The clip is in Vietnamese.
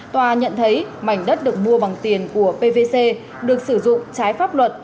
tòa nhận thấy mảnh đất được mua bằng tiền của pvc được sử dụng trái pháp luật